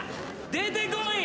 出てこい！